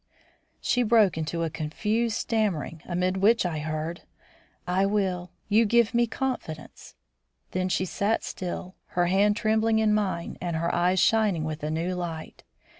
She broke into a confused stammering, amid which I heard: "I will. You give me confidence." Then she sat still, her hand trembling in mine and her eyes shining with a new light.